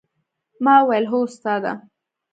ما وويل هو استاده!